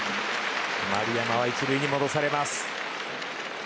丸山は１塁へ戻されます。